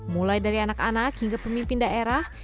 mulai dari anak anak hingga pemimpin daerah